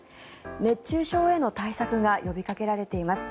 熱中症への対策が呼びかけられています。